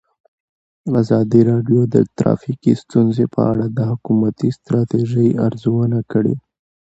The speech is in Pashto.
ازادي راډیو د ټرافیکي ستونزې په اړه د حکومتي ستراتیژۍ ارزونه کړې.